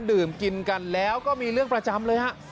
ดื่มกินกันแล้วก็มีเรื่องประจำเลยฮะ